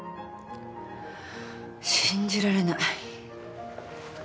信じられない。